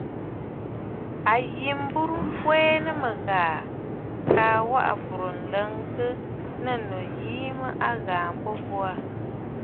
A yî m̀burə̀ m̀fwɛɛ nɨ mɨ̀ghàà kaa waʼà bùrə̀ laŋtə nɨ̂ ŋû yìi a ghàà ghu mbo aà.